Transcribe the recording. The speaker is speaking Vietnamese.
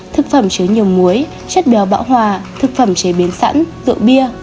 thực phẩm chứa nhiều muối chất béo bão hòa thực phẩm chế biến sẵn rượu bia